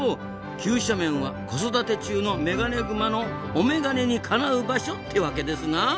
急斜面は子育て中のメガネグマのお眼鏡にかなう場所ってワケですな。